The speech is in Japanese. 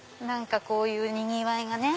こういうにぎわいがね。